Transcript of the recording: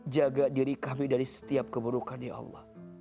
jaga diri kami dari setiap keburukan ya allah